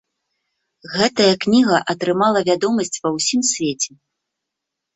Гэтая кніга атрымала вядомасць ва ўсім свеце.